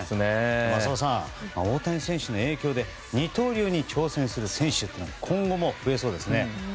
浅尾さん、大谷選手の影響で二刀流に挑戦する選手が今後も増えそうですね。